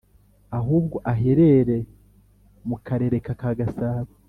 ahubwo ahererey mu karereka ka gasabo